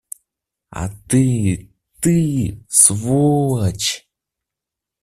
А ты… ты – сволочь!